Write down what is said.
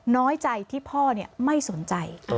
น้อยใจที่พ่อเนี่ยไม่สนใจ